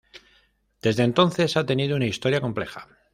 Desde entonces, ha tenido una historia compleja.